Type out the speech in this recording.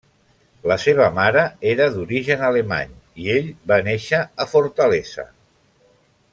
La seva mare era d'origen alemany i ell va néixer a Fortaleza.